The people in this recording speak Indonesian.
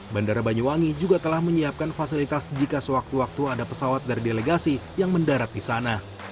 bandara banyuwangi juga telah menyiapkan fasilitas jika sewaktu waktu ada pesawat dari delegasi yang mendarat di sana